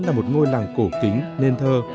là một ngôi làng cổ kính nên thơ